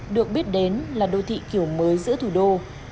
được biết đến là đô thị kiểu mới giữa thủ đô